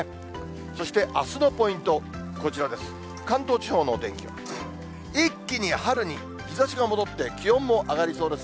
そしてあすのポイント、こちらです。